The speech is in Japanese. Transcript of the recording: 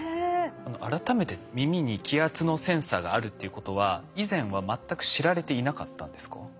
改めて耳に気圧のセンサーがあるっていうことは以前は全く知られていなかったんですか？